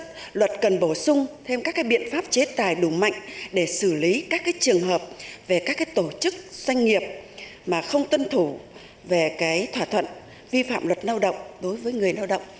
dự luật cần bổ sung thêm các biện pháp chế tài đủ mạnh để xử lý các trường hợp về các tổ chức doanh nghiệp mà không tuân thủ về thỏa thuận vi phạm luật lao động đối với người lao động